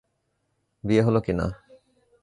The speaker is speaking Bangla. বিয়ে হলো কি-না?